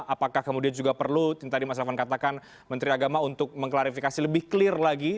apakah kemudian juga perlu tadi mas raffan katakan menteri agama untuk mengklarifikasi lebih clear lagi